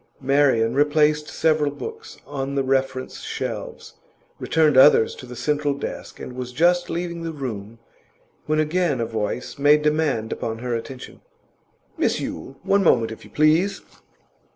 Marian replaced several books on the reference shelves, returned others to the central desk, and was just leaving the room, when again a voice made demand upon her attention. 'Miss Yule! One moment, if you please!